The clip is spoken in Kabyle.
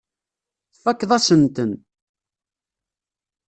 Tfakkeḍ-asen-ten.